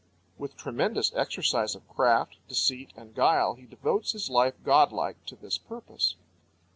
With tremendous exercise of craft, deceit, and guile, he devotes his life godlike to this purpose.